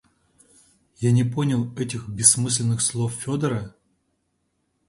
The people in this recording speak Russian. Я не понял этих бессмысленных слов Федора?